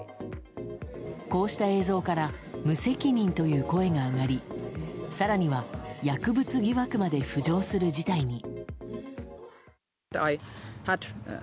こうした映像から無責任という声が上がり更には薬物疑惑まで浮上する事態に。